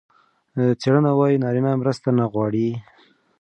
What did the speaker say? څېړنه وايي نارینه مرسته نه غواړي.